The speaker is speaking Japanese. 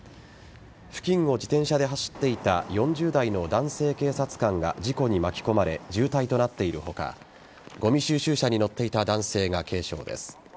付近を自転車で走っていた４０代の男性警察官が事故に巻き込まれ重体となっている他ごみ収集車に乗っていた男性が軽傷です。